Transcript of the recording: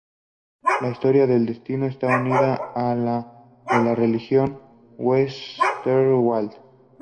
La historia del distrito está unida a la de la región de Westerwald.